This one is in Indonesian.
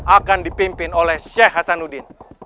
akan dipimpin oleh sheikh hasanuddin